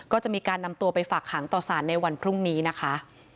ก็จะมีการนำตัวไปฝากหางต่อสารในวันพรุ่งนี้นะคะ